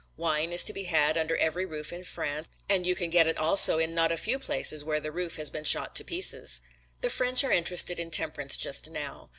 Wine is to be had under every roof in France and you can get it also in not a few places where the roof has been shot to pieces. The French are interested in temperance just now.